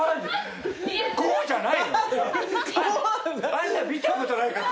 あんなん見たことないから。